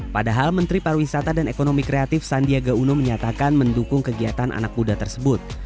padahal menteri pariwisata dan ekonomi kreatif sandiaga uno menyatakan mendukung kegiatan anak muda tersebut